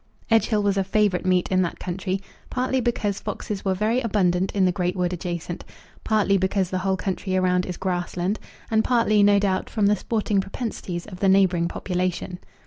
Edgehill was a favourite meet in that country, partly because foxes were very abundant in the great wood adjacent, partly because the whole country around is grass land, and partly, no doubt, from the sporting propensities of the neighbouring population.